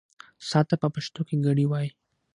ساعت ته په پښتو کې ګړۍ وايي.